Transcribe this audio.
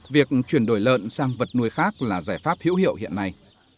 việc chuyển đổi lợn sang vật nuôi khác là giải pháp hữu hiệu hiện nay